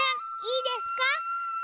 いいですか？